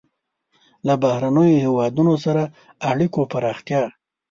له بهرنیو هېوادونو سره اړیکو پراختیا.